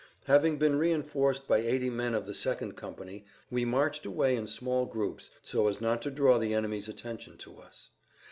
Having been reinforced by eighty men of the second company we marched away in small groups so as not to draw the enemy's attention to us.